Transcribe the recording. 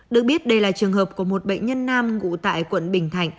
được biết đây là trường hợp của một bệnh nhân nam ngụ tại quận bình thạnh